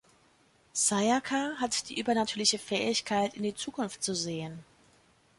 Sayaka hat die übernatürliche Fähigkeit in die Zukunft zu sehen.